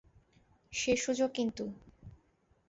শেষ সুযোগ কিন্তু?